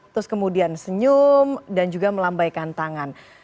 terus kemudian senyum dan juga melambaikan tangan